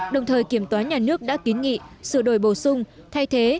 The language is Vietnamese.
đồng thời kiểm toán nhà nước đã kiến nghị sửa đổi bổ sung thay thế